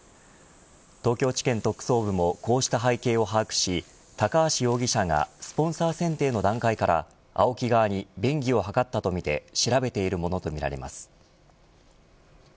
東京地検特捜部もこうした背景を把握し高橋容疑者がスポンサー選定の段階からＡＯＫＩ側に便宜を図ったとみて調べているものとみられます。